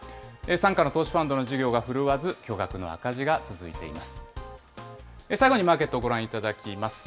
傘下の投資ファンドの事業が振るわず、巨額の赤字が続いています。